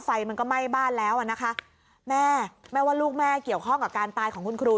ไฟมันก็ไหม้บ้านแล้วอ่ะนะคะแม่แม่ว่าลูกแม่เกี่ยวข้องกับการตายของคุณครู